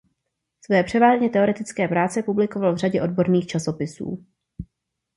Své převážně teoretické práce publikoval v řadě odborných časopisů.